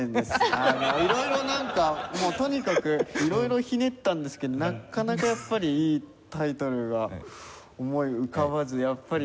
あの色々なんかもうとにかく色々ひねったんですけどなかなかやっぱりいいタイトルが思い浮かばずやっぱり。